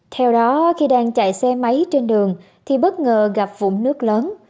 theo đó khi đang chạy xe máy trên đường thì bất ngờ gặp vụn nước lớn